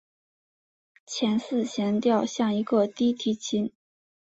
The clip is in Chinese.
前四弦调像一个低提琴。